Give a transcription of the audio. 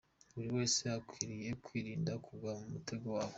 Buri wese akwiriye kwirinda kugwa mu mutego wabo.